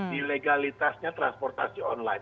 di legalitasnya transportasi online